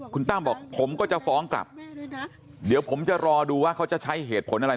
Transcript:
คุณตั้มบอกผมก็จะฟ้องกลับเดี๋ยวผมจะรอดูว่าเขาจะใช้เหตุผลอะไร